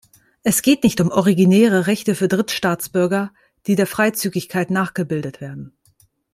Es geht nicht um originäre Rechte für Drittstaatsbürger, die der Freizügigkeit nachgebildet werden.